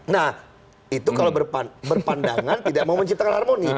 nah itu kalau berpandangan tidak mau menciptakan harmoni